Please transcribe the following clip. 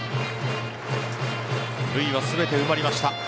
塁は全て埋まりました。